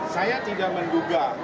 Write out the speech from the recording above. saya tidak menduga